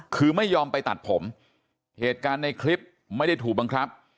คือไม่ยอมไปตัดผมเหตุการณ์ในคลิปไม่ได้ถูกบังคับ